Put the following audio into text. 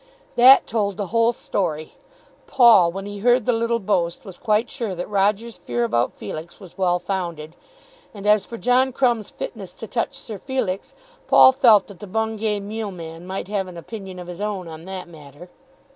That told the whole story. Paul when he heard the little boast was quite sure that Roger's fear about Felix was well founded. And as for John Crumb's fitness to touch Sir Felix, Paul felt that the Bungay mealman might have an opinion of his own on that matter.